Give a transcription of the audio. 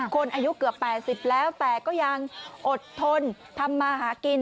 คนอายุเกือบ๘๐แล้วแต่ก็ยังอดทนทำมาหากิน